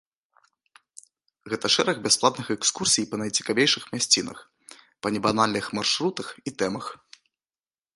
Гэта шэраг бясплатных экскурсій па найцікавейшых мясцінах, па небанальных маршрутах і тэмах.